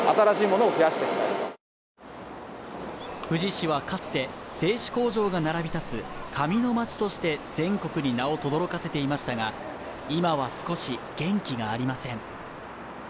富士市はかつて、製紙工場が並び立つ紙の街として全国に名をとどろかせていましたが、今は少し元気がありません。